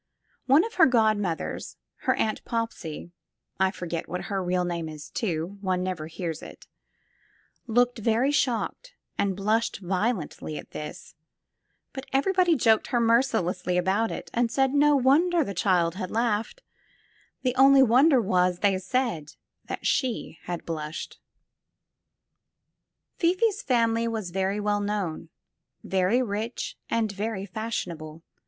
One of her godmothers, her Aunt Popsy — ^I forget what her real name is, too, one never hears it — ^looked very shocked and blushed violently at this, but every body joked her mercilessly about it and said no wonder the child had laughed ; the only wonder was, they said, that she had blushed I Fifi's family was very well known, very rich and very fashionable.